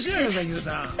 ＹＯＵさん。